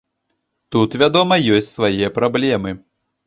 Тут, вядома, ёсць свае праблемы.